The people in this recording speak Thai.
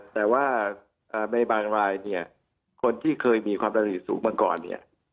แต่ว่าในบางรายเนี่ยคนที่เคยมีความประสิทธิสูงมาก่อนเนี่ย